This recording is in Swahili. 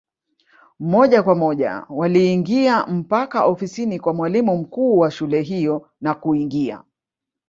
Moja kwa moja waliingia mpaka ofisini kwa mwalimu mkuu wa shule hiyo na kuingia